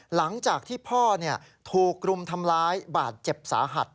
หลังจากที่พ่อถูกรุมทำร้ายบาดเจ็บสาหัส